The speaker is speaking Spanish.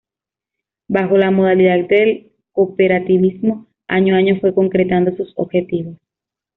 Bajo la modalidad del cooperativismo, año a año fue concretando sus objetivos.